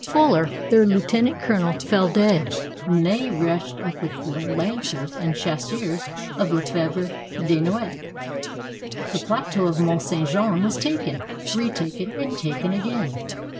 Fuller, their lieutenant 374 WATERLOO colonel, fell dead. Ney rushed up with the lancers and chasseurs of Lefebvre Desnouettes. The plateau of Mont St. Jean was taken, retaken, and taken again.